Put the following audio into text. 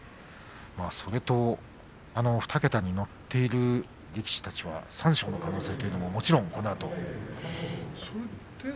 それと２桁にのっている力士たちは三賞の可能性というのももちろんこのあと。